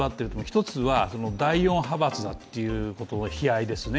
１つは、第４派閥ということの悲哀ですね。